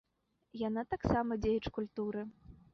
Яна таксама дзеяч культуры.